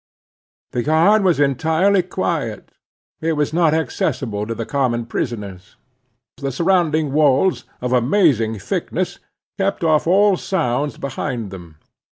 The yard was entirely quiet. It was not accessible to the common prisoners. The surrounding walls, of amazing thickness, kept off all sounds behind them.